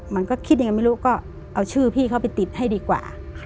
มันก็คิดยังไงไม่รู้ก็เอาชื่อพี่เขาไปติดให้ดีกว่า